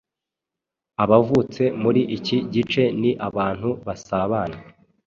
Abavutse muri iki gice ni abantu basabana